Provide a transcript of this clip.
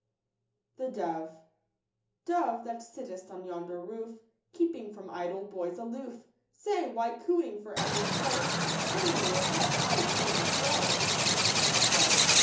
117 " Dove, that sittest on yonder roof, Keeping from idle boys aloof ; Say, why cooing for ever so, Turning your head aye to and fro V* Dove